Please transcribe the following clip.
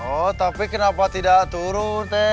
oh tapi kenapa tidak turun